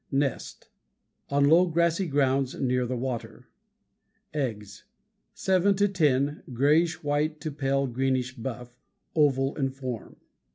NEST On low grassy grounds near the water. EGGS Seven to ten, grayish white to pale greenish buff; oval in form.